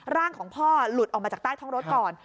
ร่างของพ่อหลุดออกมาจากใต้ท้องรถก่อน